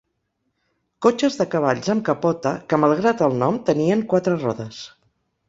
Cotxes de cavalls amb capota que, malgrat el nom, tenien quatre rodes.